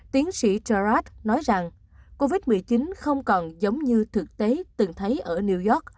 tiến sĩ trờde nói rằng covid một mươi chín không còn giống như thực tế từng thấy ở new york